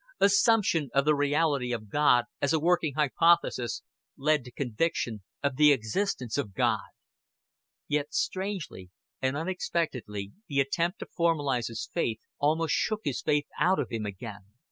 Assumption of the reality of God as a working hypothesis led to conviction of the existence of God. Yet strangely and unexpectedly the attempt to formalize his faith almost shook his faith out of him again.